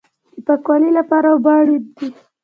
د پاکوالي لپاره اوبه اړین دي